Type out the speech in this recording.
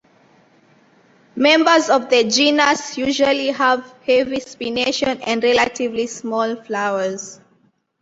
Members of the genus usually have heavy spination and relatively small flowers.